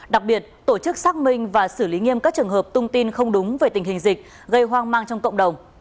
đặc biệt tổ chức xác minh và xử lý nghiêm các trường hợp tung tin không đúng về tình hình dịch gây hoang mang trong cộng đồng